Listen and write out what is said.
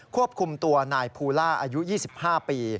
ควบคุมตัวนายภูล่าอายุ๒๕ปี